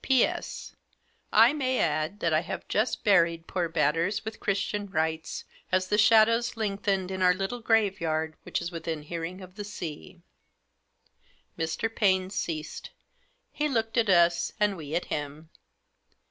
"' P.S. — I may add that I have just buried poor Batters, with Christian rites, as the shadows length ened, in our little graveyard which is within hearing of the sea.' " Mr. Paine ceased ; he looked at us, and we at him.